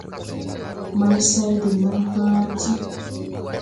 Maysay de maŋ hããre ti.